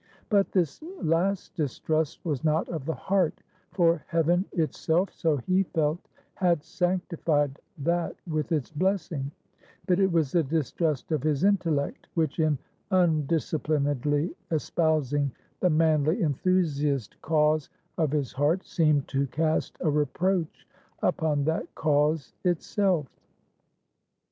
But this last distrust was not of the heart; for heaven itself, so he felt, had sanctified that with its blessing; but it was the distrust of his intellect, which in undisciplinedly espousing the manly enthusiast cause of his heart, seemed to cast a reproach upon that cause itself.